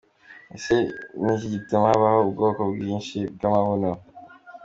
Ese ni iki gituma habaho ubwoko bwinshi bw’amabuno?.